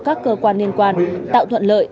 các cơ quan liên quan tạo thuận lợi